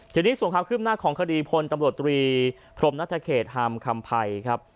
ทีนี้ส่งครับขึ้นมาของคดีพลตำรวจรีพรหมณ์นัตรเขตฮามคำภัยครับ